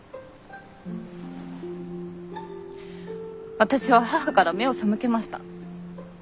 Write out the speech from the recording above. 私は母から目を背けました。